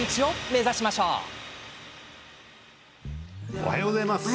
おはようございます。